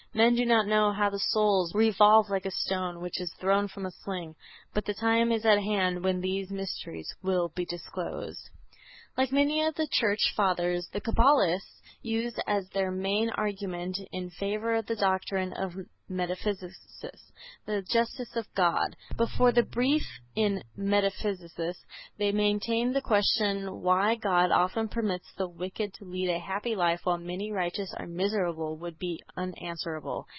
Men do not know how the souls revolve like a stone which is thrown from a sling. But the time is at hand when these mysteries will be disclosed." (Zohar, II, 99 b.) Like many of the Church Fathers the Cabalists used as their main argument in favor of the doctrine of metempsychosis the justice of God. But for the belief in metempsychosis, they maintained, the question why God often permits the wicked to lead a happy life while many righteous are miserable would be unanswerable.